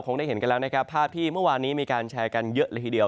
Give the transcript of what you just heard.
ได้เห็นกันแล้วนะครับภาพที่เมื่อวานนี้มีการแชร์กันเยอะเลยทีเดียว